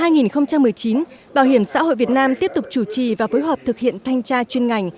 năm hai nghìn một mươi chín bảo hiểm xã hội việt nam tiếp tục chủ trì và phối hợp thực hiện thanh tra chuyên ngành